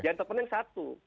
itu boleh satu